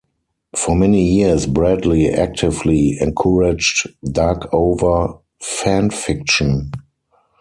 For many years, Bradley actively encouraged Darkover fan fiction.